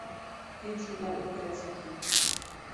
Һин шунда уҡыясаҡһың.